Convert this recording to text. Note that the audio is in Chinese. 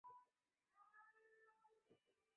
现时整个业务已被路讯通收购。